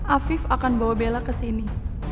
afif akan bawa bella kesini